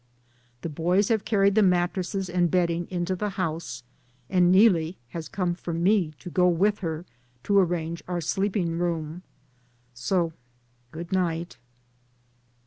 The boys have carried the mattresses and bedding into the house, and Neelie has come for me to go with her to arrange our sleeping room. So good night.